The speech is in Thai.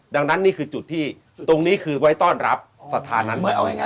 ดังนั้นนี่คือจุดที่ตรงนี้คือไว้ต้อรัฐสถานั้น